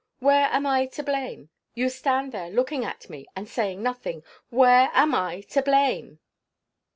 Where am I to blame? You stand there looking at me, and saying nothing. Where am I to blame?"